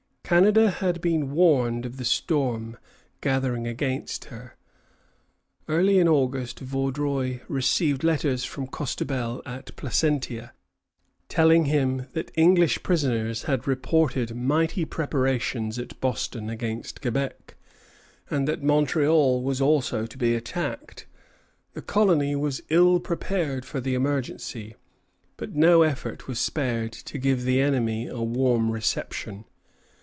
Canada had been warned of the storm gathering against her. Early in August, Vaudreuil received letters from Costebelle, at Placentia, telling him that English prisoners had reported mighty preparations at Boston against Quebec, and that Montreal was also to be attacked. The colony was ill prepared for the emergency, but no effort was spared to give the enemy a warm reception.